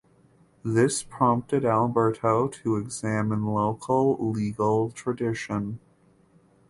This prompted Alberto to examine local legal tradition.